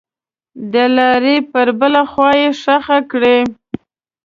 دلارې پر بله خوا یې ښخه کړئ.